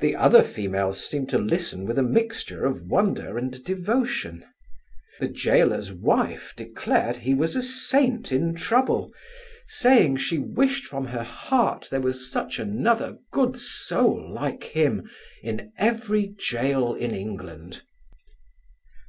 The other females seemed to listen with a mixture of wonder and devotion. The gaoler's wife declared he was a saint in trouble, saying, she wished from her heart there was such another good soul, like him, in every gaol in England.